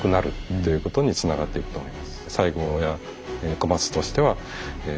ということにつながっていくと思います。